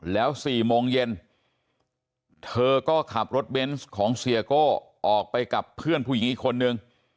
แล้ว๔โมงเย็นเธอก็ขับรถเบนส์ของเสียโก้ออกไปกับเพื่อนผู้หญิงอีกคนนึง